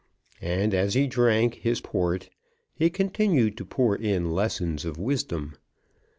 And as he drank his port, he continued to pour in lessons of wisdom.